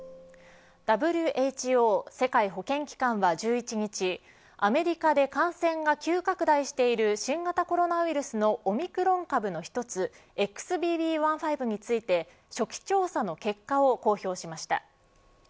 ＷＨＯ世界保健機関は１１日アメリカで感染が急拡大している新型コロナウイルスのオミクロン株の１つＸＢＢ．１．５について初期調査の結果を公表しました。